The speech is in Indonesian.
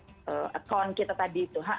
lewat account kita tadi itu